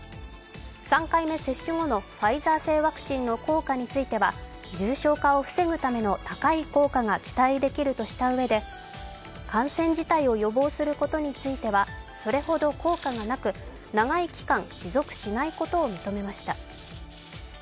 ３回目接種後のファイザー製ワクチンの効果については重症化を防ぐための高い効果が期待できるとしたうえで感染自体を予防することについてはそれほど効果がなく、長い期間、持続しないことを認めました。